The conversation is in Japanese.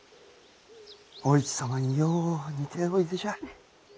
お市様によう似ておいでじゃ。